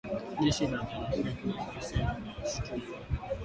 Jeshi la jamhuri ya kidemokrasia linaishutumu Rwanda